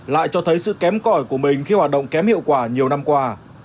lại cho thấy sự kém cõi của mình khi hoạt động kém hiệu quả nhiều năm qua